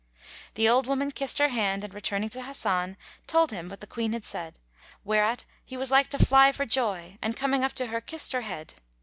The old woman kissed her hand and returning to Hasan, told him what the Queen had said, whereat he was like to fly for joy and coming up to her, kissed her head.